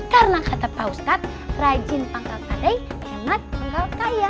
karena kata pak ustadz rajin pangkal padai hemat pangkal kaya